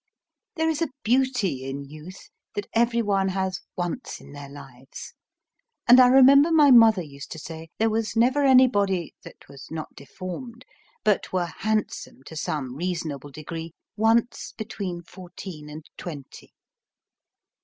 There is a beauty in youth that every one has once in their lives; and I remember my mother used to say there was never anybody (that was not deformed) but were handsome, to some reasonable degree, once between fourteen and twenty.